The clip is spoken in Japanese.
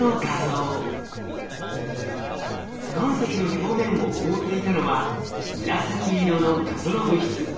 岩石の表面を覆っていたのは紫色の謎の物質。